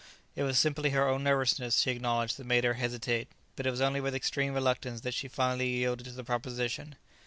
It was simply her own nervousness, she acknowledged, that made her hesitate; but it was only with extreme reluctance that she finally yielded to the proposition.